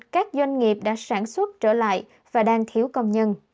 các doanh nghiệp đã sản xuất trở lại và đang thiếu công nhân